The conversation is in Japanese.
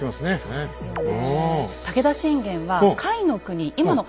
そうですよね。